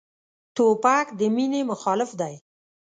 توپک د مینې مخالف دی.